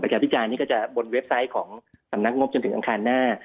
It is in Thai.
การพิจารณ์นี่ก็จะบนเว็บไซต์ของสำนักงบจนถึงอังคารหน้า